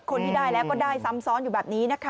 คนที่ได้แล้วก็ได้ซ้ำซ้อนอยู่แบบนี้นะคะ